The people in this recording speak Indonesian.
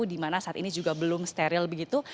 dimana saat ini juga belum steril begitu